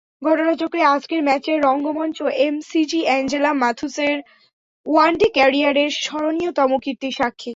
ঘটনাচক্রে আজকের ম্যাচের রঙ্গমঞ্চ এমসিজি অ্যাঞ্জেলা ম্যাথুসের ওয়ানডে ক্যারিয়ারের স্মরণীয়তম কীর্তির সাক্ষী।